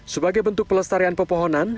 sebagai bentuk pelestarian pepohonan